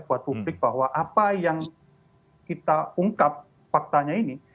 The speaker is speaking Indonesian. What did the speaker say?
buat publik bahwa apa yang kita ungkap faktanya ini